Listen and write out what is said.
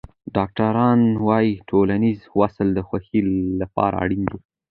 ډاکټران وايي ټولنیز وصل د خوښۍ لپاره اړین دی.